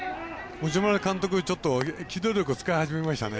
持丸監督機動力を使い始めましたね。